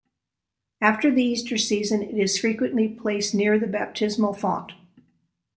After the Easter season, it is frequently placed near the baptismal font.